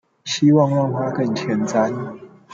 希望讓他更前瞻